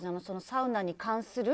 サウナに関する。